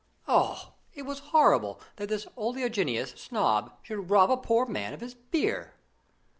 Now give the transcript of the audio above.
Oh! it was horrible that this oleaginous snob should rob a poor man of his beer!